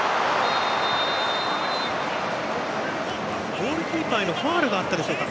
ゴールキーパーへのファウルがあったでしょうか。